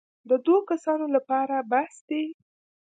د دوو کسانو لپاره بس دی.